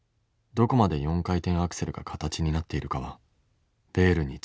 どこまで４回転アクセルが形になっているかはベールに包まれていた。